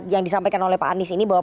yang disampaikan oleh pak anies ini bahwa